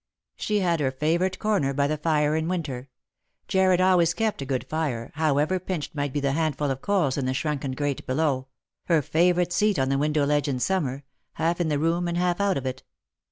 She had her favourite corner by the fire in winter — Jarred always kept a good fire, however pinched might be the handful of coals in the shrunken grate below — her favourite seat on the window ledge in summer, half in the room and half out of it.